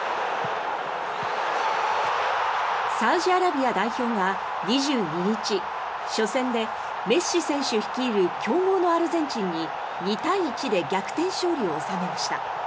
サウジアラビア代表が２２日初戦でメッシ選手率いる強豪のアルゼンチンに２対１で逆転勝利を収めました。